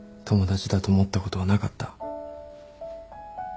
友達だと思ったことはなかった？